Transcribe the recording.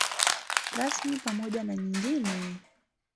Rasmi pamoja na nyingine.